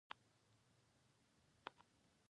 ماشوم، قانون، علم او بین الملل روابط به تعریفوي.